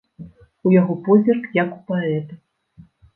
У яго позірк, як у паэта.